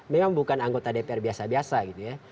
memang bukan anggota dpr biasa biasa gitu ya